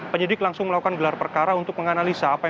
penyidik langsung melakukan gelar perkara untuk menganalisa